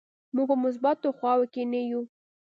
موږ په مثبتو خواو کې نه یو.